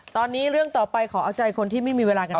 ตอนนี้เรื่องต่อไปขอเอาใจคนที่ไม่มีเวลากัน